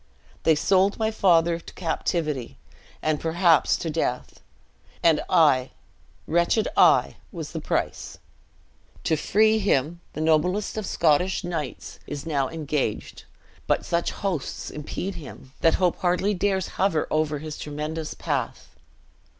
They sold my father to captivity, and, perhaps, to death; and I, wretched I, was the price. To free him, the noblest of Scottish knights is now engaged; but such hosts impede him, that hope hardly dares hover over his tremendous path."